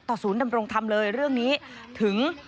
ศูนย์ดำรงธรรมเลยเรื่องนี้ถึง